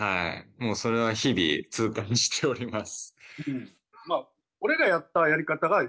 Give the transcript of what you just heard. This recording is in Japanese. もうそれは日々痛感しております。